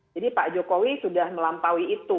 jadi pak jokowi sudah melampaui itu